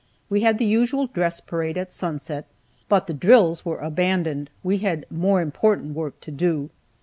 We had the usual dress parade at sunset, but the drills were abandoned; we had more important work to do.